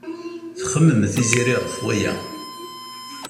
Txemmem Tiziri ɣef waya.